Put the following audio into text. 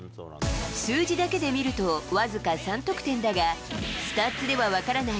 数字だけで見ると、僅か３得点だが、スタッツでは分からない